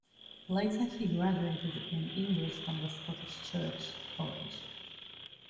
Later he graduated in English from the Scottish Church College.